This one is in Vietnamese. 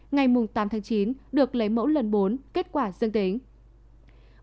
ngày tám tháng chín được lấy mẫu lần bốn kết quả dương tính